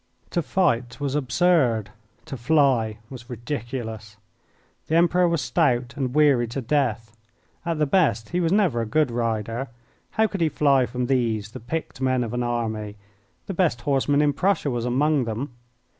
To fight was absurd; to fly was ridiculous. The Emperor was stout, and weary to death. At the best he was never a good rider. How could he fly from these, the picked men of an army? The best horseman in Prussia was among them.